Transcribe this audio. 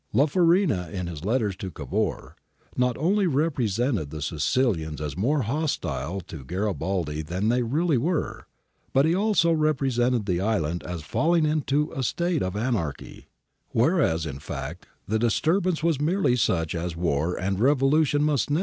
La Farina, in his letters to Cavour, not only represented the Sicilians as more hostile to Garibaldi than they really were, but he also represented the island as falling into a state of anarchy, whereas in fact the disturbance was merely such as war and revolution must necessarily ' Bertani, ii.